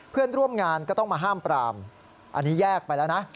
เพื่อนร่วมงานก็ต้องมาห้ามปรามอันนี้แยกไปแล้วนะ